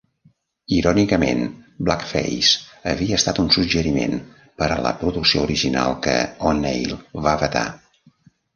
Irònicament, Blackface havia estat un suggeriment per a la producció original que O'Neill va vetar.